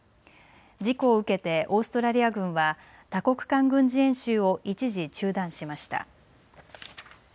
事故を受けてオーストラリア軍は多国間軍事演習を一時中断しました。